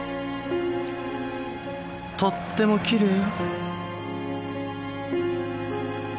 とってもきれいよ。